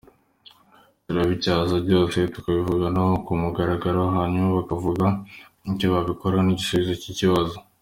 Turabicaza byose tukabivuganaho ku mugaragaro hanyuma bakavuga icyo babikoraho nk’igisubizo cy’ikibazo.